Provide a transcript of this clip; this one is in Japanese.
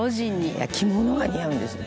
「いや着物が似合うんですよ